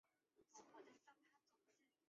殿试登进士第二甲第八十二名。